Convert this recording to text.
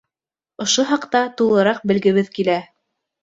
Ошо хаҡта тулыраҡ белгебеҙ килә.